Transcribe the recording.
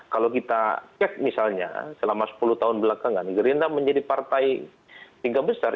kalau kita cek misalnya selama sepuluh tahun belakangan gerindra menjadi partai tingkat besar